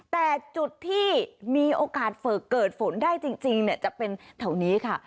แต่จุดที่มีโอกาสฝึกเกิดฝนได้จริงจะเป็นแถวนี้ค่ะ